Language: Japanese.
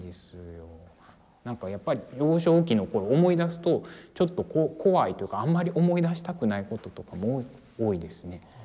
なんかやっぱり幼少期の頃思い出すとちょっと怖いというかあんまり思い出したくないこととかも多いですね。